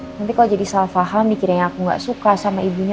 nanti kalau jadi salah faham mikirnya aku gak suka sama ibunya